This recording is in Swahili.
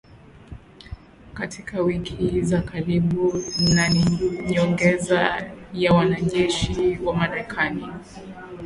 katika wiki za karibuni na ni nyongeza ya wanajeshi wa Marekani